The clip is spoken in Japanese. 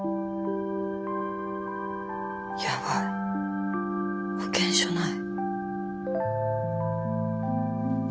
やばい保険証ない。